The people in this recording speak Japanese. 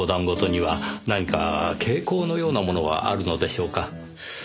事には何か傾向のようなものはあるのでしょうか？